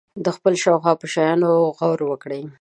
د خپل شاوخوا په شیانو غور وکړي.